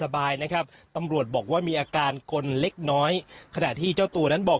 แบบนี้ครับ